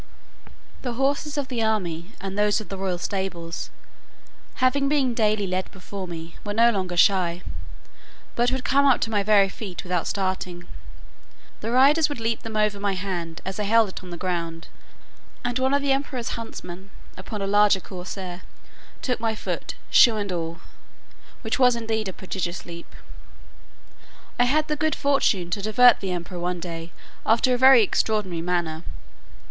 The horses of the army, and those of the royal stables, having been daily led before me, were no longer shy, but would come up to my very feet without starting. The riders would leap them over my hand, as I held it on the ground; and one of the emperor's huntsmen, upon a large courser, took my foot, shoe and all; which was indeed a prodigious leap. I had the good fortune to divert the emperor one day after a very extraordinary manner.